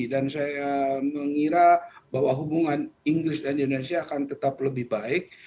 dan saya mengira bahwa hubungan inggris dan indonesia akan tetap lebih baik